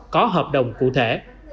có hợp đồng cụ thể